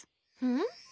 ん？